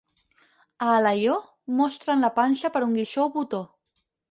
A Alaior, mostren la panxa per un guixó o botó.